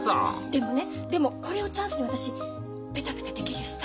でもねでもこれをチャンスに私ベタベタできるしさ。